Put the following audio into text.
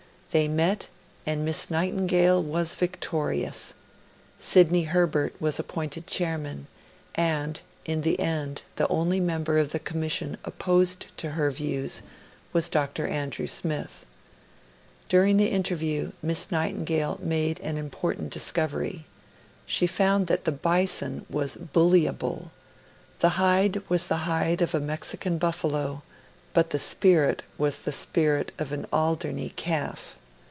They met, and Miss Nightingale was victorious; Sidney Herbert was appointed Chairman; and, in the end, the only member of the Commission opposed to her views was Dr. Andrew Smith. During the interview, Miss Nightingale made an important discovery: she found that 'the Bison was bullyable' the hide was the hide of a Mexican buffalo, but the spirit was the spirit of an Alderney calf.